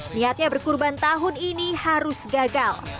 niatnya berkurban tahun ini harus gagal